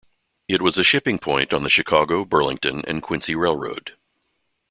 It was a shipping point on the Chicago, Burlington and Quincy Railroad.